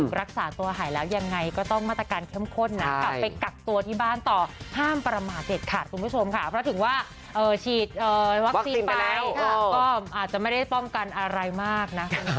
ค่ะรักษาตัวหายแล้วยังไงก็ต้องมาตรการเค็มข